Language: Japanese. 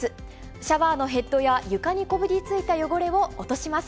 シャワーのヘッドや床にこびりついた汚れを落とします。